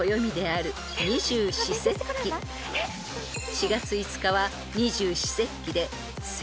［４月５日は］